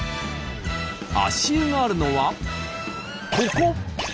足湯があるのはここ！